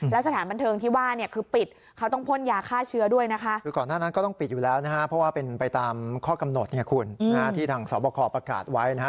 และสถานบันเทิงที่ว่าคือปิดเขาต้องพ่นยาฆ่าเชื้อด้วยนะคะ